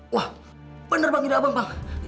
wah bener bang gila bang